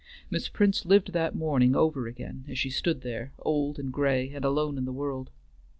Miss Prince lived that morning over again as she stood there, old and gray and alone in the world.